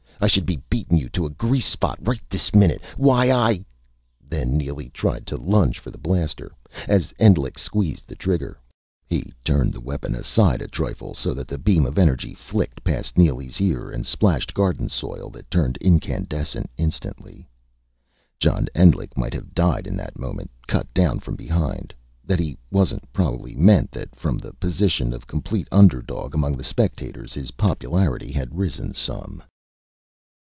I should be beatin' you to a grease spot right this minute! Why I " Then Neely tried to lunge for the blaster. As Endlich squeezed the trigger, he turned the weapon aside a trifle, so that the beam of energy flicked past Neely's ear and splashed garden soil that turned incandescent, instantly. John Endlich might have died in that moment, cut down from behind. That he wasn't probably meant that, from the position of complete underdog among the spectators, his popularity had risen some.